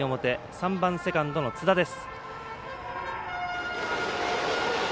３番セカンドの津田です。